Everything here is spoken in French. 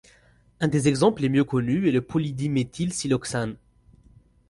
Un des exemples les mieux connus est le polydiméthylsiloxane.